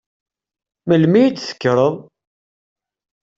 Melmi i d-tekkreḍ?